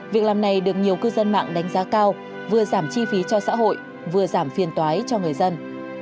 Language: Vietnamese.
việc làm này được nhiều cư dân mạng đánh giá cao vừa giảm chi phí cho xã hội vừa giảm phiền toái cho người dân